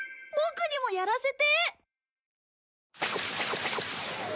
ボクにもやらせて！